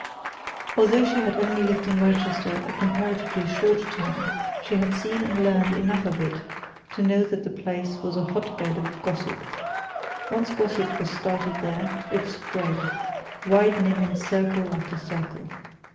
Although she had only lived in Wrychester a comparatively short time she had seen and learned enough of it to know that the place was a hotbed of gossip. Once gossip was started there, it spread, widening in circle after circle.